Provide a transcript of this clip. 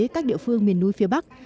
các địa phương miền núi phía bắc